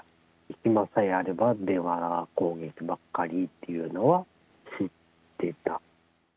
暇さえあれば電話攻撃ばっかりというのは知ってた。